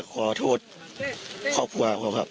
ก็ขอโทษขอบคุณครับก็ครับ